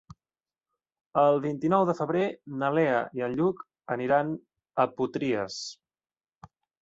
El vint-i-nou de febrer na Lea i en Lluc aniran a Potries.